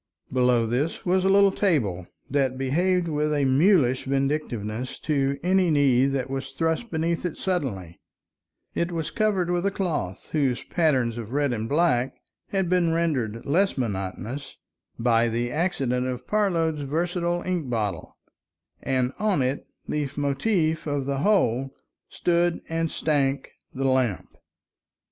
Below this was a little table that behaved with a mulish vindictiveness to any knee that was thrust beneath it suddenly; it was covered with a cloth whose pattern of red and black had been rendered less monotonous by the accidents of Parload's versatile ink bottle, and on it, leit motif of the whole, stood and stank the lamp.